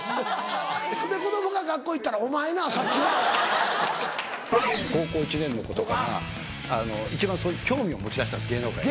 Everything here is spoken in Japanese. で子供が学校行ったら「お前なさっきな」。高校１年の子とかが一番そういう興味を持ちだしたんです芸能界に。